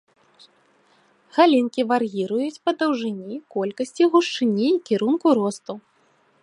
Галінкі вар'іруюць па даўжыні, колькасці, гушчыні і кірунку росту.